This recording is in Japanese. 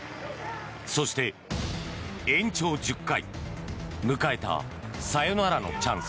そして、延長１０回迎えたサヨナラのチャンス。